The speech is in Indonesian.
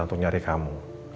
untuk nyari kamu